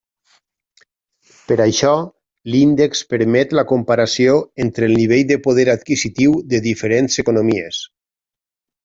Per això, l'índex permet la comparació entre el nivell de poder adquisitiu de diferents economies.